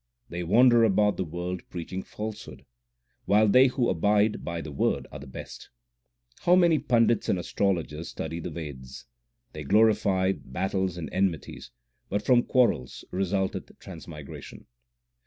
They wander about the world preaching falsehood ; while they who abide by the Word are the best. How many pandits and astrologers study the Veds ! They glorify battles and enmities, 2 but from quarrels rcsulteth transmigration.